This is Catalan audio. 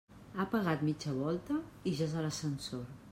Ha pegat mitja volta i ja és a l'ascensor.